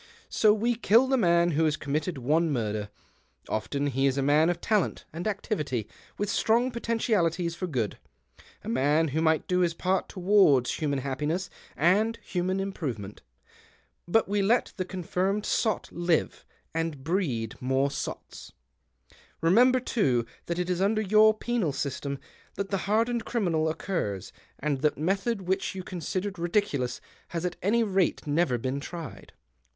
So we kill the man who has committed one murder. Often he is a man of talent and activity ; with strong potentialities for good, a man who might do his part towards human happiness and human improvement. But we let the confirmed sot live and breed more sots. Remember, too, that it is under your penal system that the hardened criminal occurs, and that method K 130 THE OCTAVE OF CLAUDIUS. wliicli you considered ridiculous has at any rate never been tried."